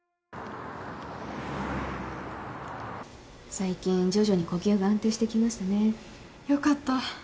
最近徐々に呼吸が安定してきましたね。よかった。